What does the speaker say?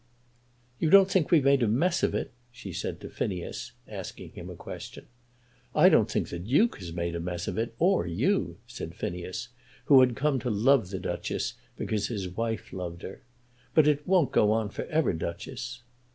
"You don't think we've made a mess of it?" she said to Phineas, asking him a question. "I don't think that the Duke has made a mess of it, or you," said Phineas, who had come to love the Duchess because his wife loved her. "But it won't go on for ever, Duchess."